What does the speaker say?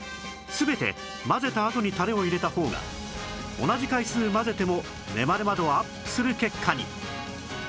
全て混ぜたあとにタレを入れた方が同じ回数混ぜてもネバネバ度はアップする結果に